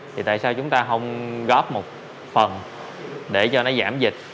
thì tại sao chúng ta không góp một phần để cho nó giảm dịch